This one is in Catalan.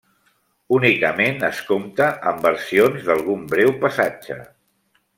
Únicament es compta amb versions d'algun breu passatge.